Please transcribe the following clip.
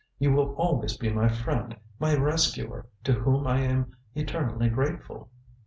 You will always be my friend, my rescuer, to whom I am eternally grateful."